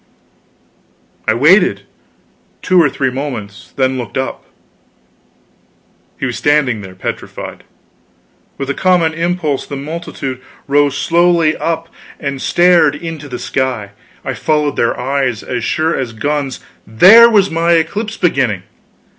I waited two or three moments; then looked up; he was standing there petrified. With a common impulse the multitude rose slowly up and stared into the sky. I followed their eyes, as sure as guns, there was my eclipse beginning!